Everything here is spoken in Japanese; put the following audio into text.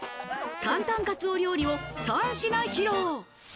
簡単かつお料理を３品披露。